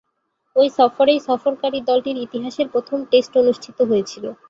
ঐ সফরেই সফরকারী দলটির ইতিহাসের প্রথম টেস্ট অনুষ্ঠিত হয়েছিল।